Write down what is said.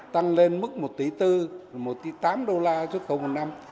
tăng lên mức một tỷ bốn một tỷ tám đô la xuất khẩu một năm